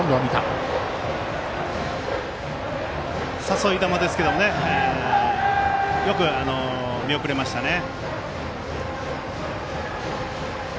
誘い球ですけどねよく見送れましたね。